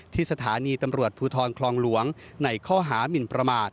ที่สถานีตำรวจภูทรคลองหลวงในข้อหามินประมาท